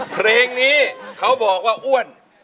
เพลงนี้เขาบอกว่าอ้วน